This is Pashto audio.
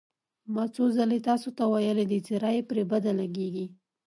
ما څو ځل تاسې ته ویلي دي، څېره یې پرې بده لګېږي.